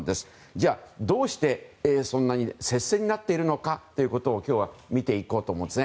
じゃあ、どうしてそんなに接戦になっているのかということを今日は見ていこうと思います。